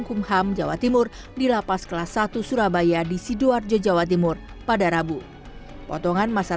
kumham jawa timur di lapas kelas satu surabaya di sidoarjo jawa timur pada rabu potongan masa